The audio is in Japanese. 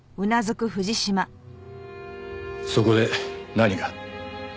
そこで何が？